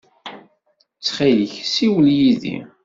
Ttxil-k, ssiwel yid-i.